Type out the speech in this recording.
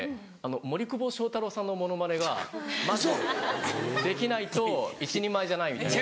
森久保祥太郎さんのモノマネがまずできないと一人前じゃないみたいな。